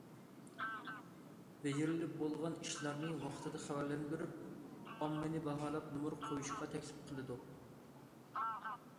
بېجىرىلىپ بولغان ئىشلارنى ۋاقتىدا خەۋەرلەندۈرۈپ ئاممىنى باھالاپ نومۇر قويۇشقا تەكلىپ قىلىدۇ.